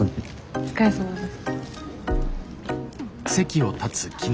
お疲れさまです。